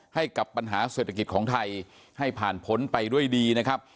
ให้กับปัญหาเศรษฐกิจของไทยให้ผ่านพ้นไปด้วยดีนะครับ